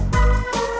tete aku mau